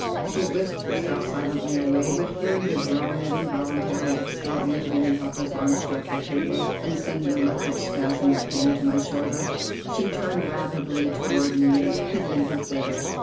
She whisked herself silently away, but, hearing the groan that involuntarily escaped me when the helpless arm struck the table and sent an electric spasm of pain to my shoulder, she turned rapidly toward me with pity in her face.